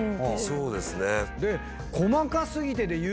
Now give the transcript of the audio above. そうですね。